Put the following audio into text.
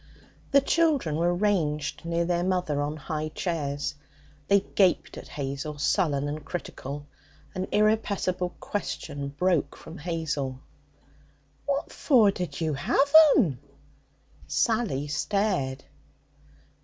The children were ranged near their mother on high chairs. They gaped at Hazel, sullen and critical. An irrepressible question broke from Hazel. 'What for did you have 'em?' Sally stared.